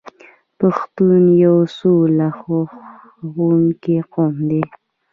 پښتون یو سوله خوښوونکی قوم دی.